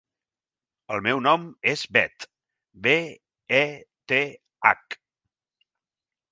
El meu nom és Beth: be, e, te, hac.